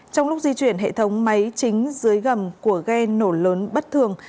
trong lúc di chuyển hệ thống máy chính dưới gầm của ghe nổ lớn bất thường